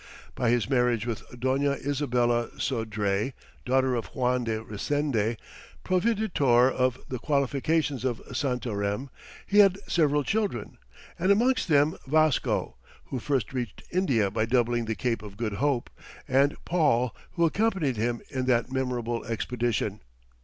By his marriage with Dona Isabella Sodré, daughter of Juan de Resende, proveditore of the fortifications of Santarem, he had several children, and amongst them Vasco, who first reached India by doubling the Cape of Good Hope, and Paul, who accompanied him in that memorable expedition.